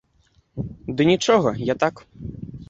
Ды нічога, я так.